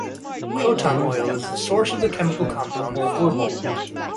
Croton oil is the source of the chemical compound phorbol.